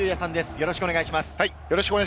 よろしくお願いします。